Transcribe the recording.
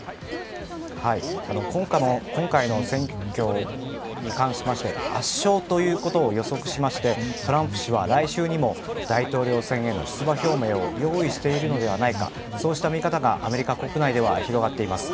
今回の選挙に関しまして圧勝ということを予測しましてトランプ氏は、来週にも大統領選への出馬表明を用意しているのではないかそうした見方がアメリカ国内では広がっています。